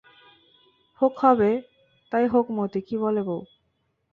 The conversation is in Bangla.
হোক হবে, তাই হোক মতি কী বলে বৌ?